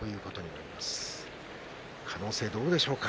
可能性は、どうでしょうか。